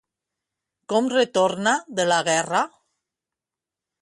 Com retorna de la guerra?